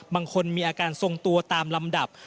บางคนมีอาการทรงตัวตามลำดับ